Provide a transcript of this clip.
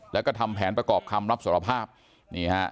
แล้วก็ทำแผนประกอบคำรับสารภาพนี่ฮะ